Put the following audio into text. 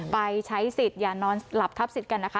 ไปใช้สิทธิ์อย่านอนหลับทับสิทธิ์กันนะคะ